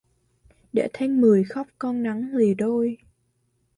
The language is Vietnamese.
Để tháng mười khóc con nắng lìa đôi